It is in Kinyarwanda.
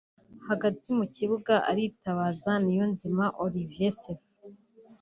Hagati mu kibuga aritabaza Niyonzima Olivier Sefu